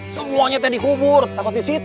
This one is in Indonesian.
semuanya tadi kubur takut disita